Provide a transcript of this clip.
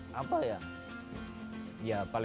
kalau tidak tidak ada apa apa bagi barkas